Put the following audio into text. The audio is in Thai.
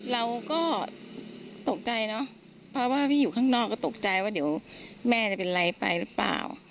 เราก็ตกใจเนอะเพราะว่าพี่อยู่ข้างนอกก็ตกใจว่าเดี๋ยวแม่จะเป็นไรไปหรือเปล่า